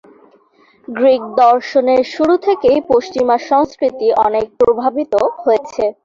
Greek দর্শনের শুরু থেকেই পশ্চিমা সংস্কৃতি অনেক প্রভাবিত হয়েছে।